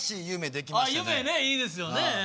夢ねいいですよね